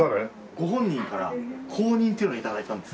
ご本人から公認っていうのを頂いたんです。